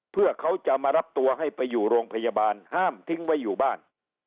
เพื่อเขาจะมารับตัวให้ไปอยู่โรงพยาบาลห้ามทิ้งไว้อยู่บ้าน